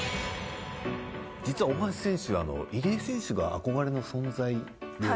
実は大橋選手あの入江選手が憧れの存在で。